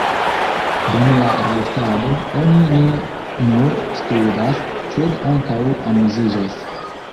Dum la restado, oni ne nur studas, sed ankaŭ amuziĝas.